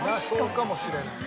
そうかもしれない。